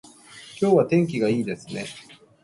今日は天気がいいですね